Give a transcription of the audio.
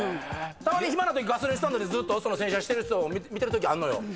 たまに暇なときガソリンスタンドでずーっと洗車してる人を見てるときあんのよ。